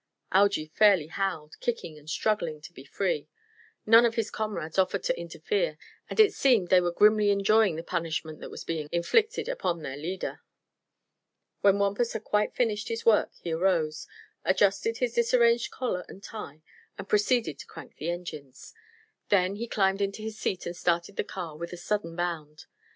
Algy fairly howled, kicking and struggling to be free. None of his comrades offered to interfere and it seemed they were grimly enjoying the punishment that was being; inflicted upon their leader. When Wampus had quite finished his work he arose, adjusted his disarranged collar and tie and proceeded to crank the engines. Then he climbed into his seat and started the car with a sudden bound.